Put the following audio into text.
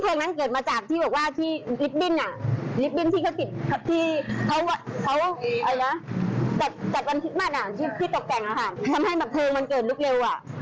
ทำให้เผลอมันเกิดรุกเร็ว